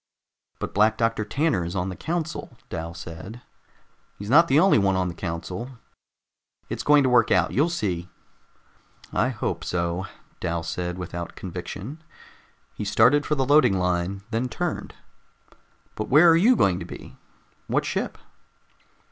"But Black Doctor Tanner is on the council," Dal said. "He's not the only one on the council. It's going to work out. You'll see." "I hope so," Dal said without conviction. He started for the loading line, then turned. "But where are you going to be? What ship?"